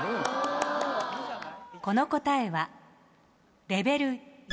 この答えはレベル４。